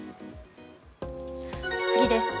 次です。